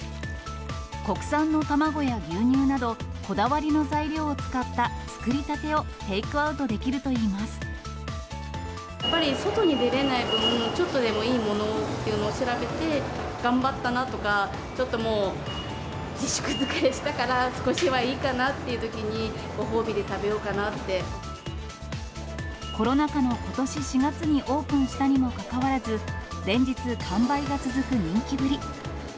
国産の卵や牛乳など、こだわりの材料を使った作りたてをテイクアやっぱり外に出れない分、ちょっとでもいいものをっていうのを調べて、頑張ったなとか、ちょっともう自粛疲れしたから少しはいいかなっていうときに、コロナ禍のことし４月にオープンしたにもかかわらず、連日、完売が続く人気ぶり。